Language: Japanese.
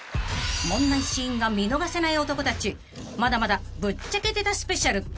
［問題シーンが見逃せない男たちまだまだぶっちゃけてたスペシャル］